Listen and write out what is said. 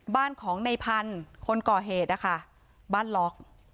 บ้านของในพันธุ์คนก่อเหตุนะคะบ้านล็อก